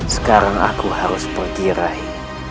sekarang aku harus berkirai